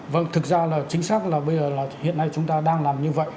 vâng thực ra là chính xác là bây giờ là hiện nay chúng ta đang làm như vậy